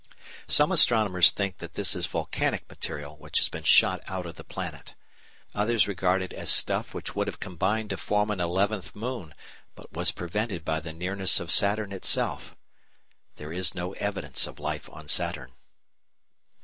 Some astronomers think that this is volcanic material which has been shot out of the planet. Others regard it as stuff which would have combined to form an eleventh moon but was prevented by the nearness of Saturn itself. There is no evidence of life on Saturn.